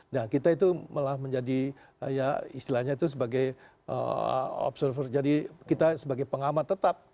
nah kita itu malah menjadi ya istilahnya itu sebagai observer jadi kita sebagai pengamat tetap